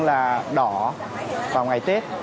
là đỏ vào ngày tết